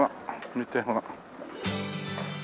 見てほら。